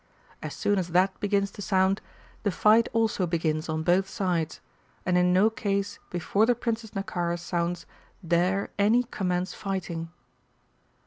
As soon as that begins to sound the fight also begins on both sides ; and in no case before the Prince's Naccara sounds dare any commence fighting.